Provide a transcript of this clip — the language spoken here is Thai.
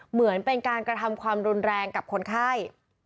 เหมือนเป็นการกระทำความรุนแรงกับคนไข้